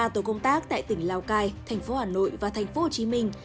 ba tổ công tác tại tỉnh lào cai tp hcm đồng loạt giao quân thực hiện nhiệm vụ